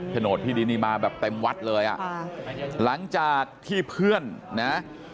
โดดที่ดินนี่มาแบบเต็มวัดเลยอ่ะหลังจากที่เพื่อนนะ